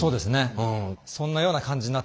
そんなような感じになってます。